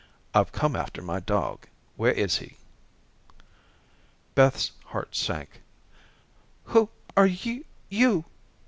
I've come after my dog. Where is he?" Beth's heart sank. "Who are you?"